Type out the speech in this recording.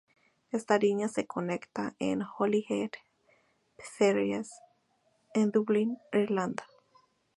Esta línea se conecta a Holyhead Ferries en Dublín, Irlanda.